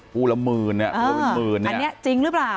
กู้ละหมื่นอันนี้จริงหรือเปล่า